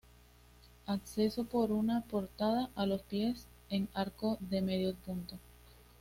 Acceso por una portada, a los pies, en arco de medio punto.